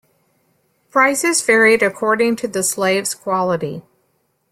Prices varied according to the slave's quality.